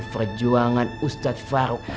perjuangan ustadz faruk